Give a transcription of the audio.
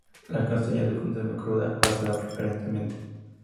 La castaña se consume cruda o asada preferentemente.